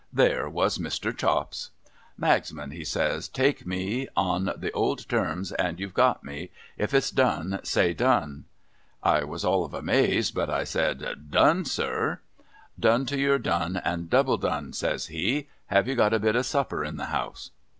There was Mr. Chops !' Magsman,' he says, ' take me, on the old terms, and you've got me ; if it's done, say done !' I was all of a maze, but I said, ' Done, sir.' ' Done to your done, and double done !' says he. ' Have you got a bit of supper in the house